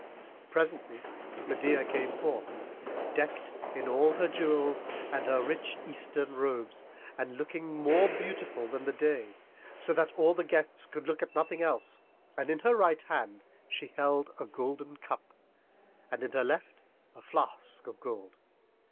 Presently Medeia came forth, decked in all her jewels and her rich Eastern robes, and looking more beautiful than the day, so that all the guests could look at nothing else. And in her right hand she held a golden cup, and in her left a flask of gold.